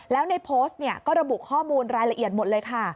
แล้วในโพสต์ก็ระบุข้อมูลรายละเอียดหมดเลยค่ะ